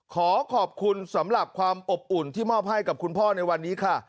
ขอขอบคุณสำหรับความอบอุ่นที่มอบให้กับคุณพ่อในวันนี้ค่ะ